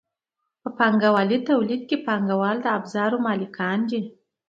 په پانګوالي تولید کې پانګوال د ابزارو مالکان دي.